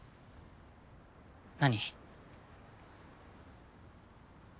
何？